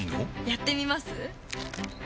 やってみます？